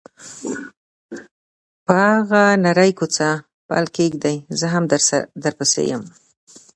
پر هغې نرۍ کوڅه پل کېږدۍ، زه هم درپسې یم.